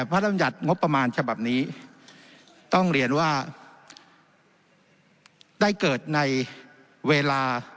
รำยัติงบประมาณฉบับนี้ต้องเรียนว่าได้เกิดในเวลา